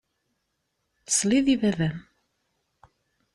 Tesliḍ i baba-m.